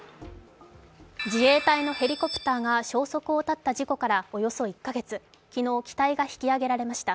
自衛隊のヘリコプターが消息を絶った事故からおよそ１か月昨日、機体が引き揚げられました。